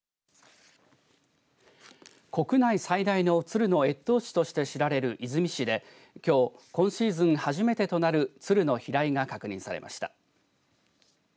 国内最大のツルの越冬地として知られる出水市できょう今シーズン初めてとなるツルの飛来が確認されました。